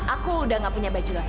aku udah gak punya baju lagi